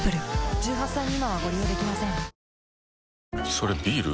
それビール？